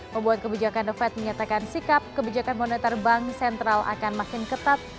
membuat kebijakan the fed menyatakan sikap kebijakan moneter bank sentral akan makin ketat